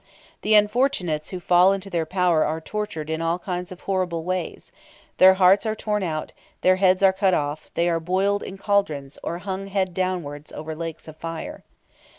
The unfortunates who fall into their power are tortured in all kinds of horrible ways; their hearts are torn out; their heads are cut off; they are boiled in caldrons, or hung head downwards over lakes of fire.